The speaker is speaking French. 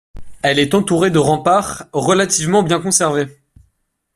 Elle est entourée de remparts relativement bien conservés.